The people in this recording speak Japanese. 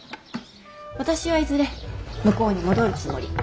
私はいずれ向こうに戻るつもり。